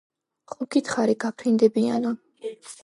ხომ გითხარი გაფრინდებიანო